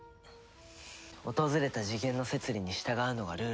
訪れた次元の摂理に従うのがルールだからね。